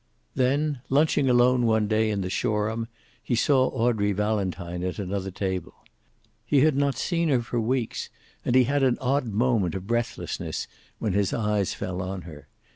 Then, lunching alone one day in the Shoreham, he saw Audrey Valentine at another table. He had not seen her for weeks, and he had an odd moment of breathlessness when his eyes fell on her.